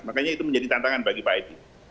makanya itu menjadi tantangan bagi pak edi